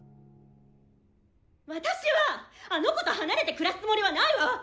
私はあの子と離れて暮らすつもりはないわ！